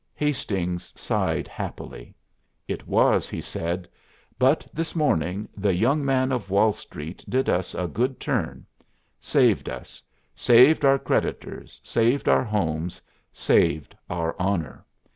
Hastings sighed happily. "It was," he said, "but this morning the Young Man of Wall Street did us a good turn saved us saved our creditors, saved our homes, saved our honor.